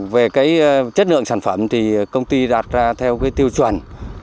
về cái chất lượng sản phẩm thì công ty đạt ra theo cái tiêu chuẩn